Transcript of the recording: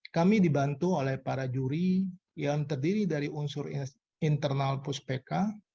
kami dibantu oleh para juri yang terdiri dari unsur internal puspeka